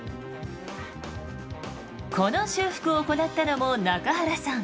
この修復を行ったのも中原さん。